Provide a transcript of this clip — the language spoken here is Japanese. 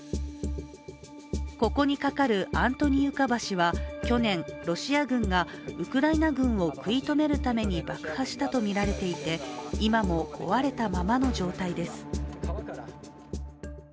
ここにかかるアントニウカ橋は、去年ロシア軍がウクライナ軍を食い止めるために爆破したとみられていて、今も壊れたままの状態です。